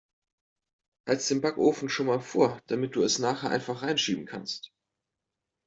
Heiz' den Backofen schon mal vor, damit du es nachher einfach 'reinschieben kannst.